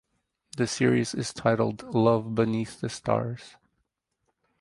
The series is titled "Love Beneath The Stars".